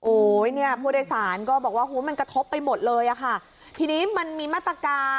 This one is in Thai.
โอ้ยเนี่ยผู้โดยสารก็บอกว่าโอ้ยเนี่ยผู้โดยสารก็บอกว่า